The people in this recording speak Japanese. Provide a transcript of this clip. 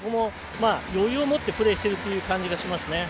余裕を持ってプレーをしてるという感じがします。